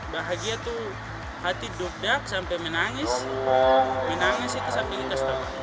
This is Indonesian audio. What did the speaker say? bahagia tuh hati dugdak sampai menangis menangis itu sampai ikat sebabnya